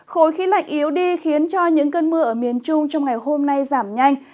khối khí lạnh yếu đi khiến cho những cơn mưa ở miền trung trong ngày hôm nay giảm nhanh